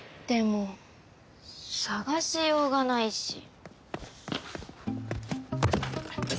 でも探しようがないし。